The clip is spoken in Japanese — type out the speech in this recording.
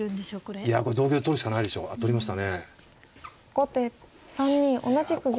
後手３二同じく玉。